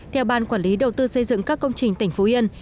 theo ban quản lý đầu tư xây dựng các công trình tỉnh phú yên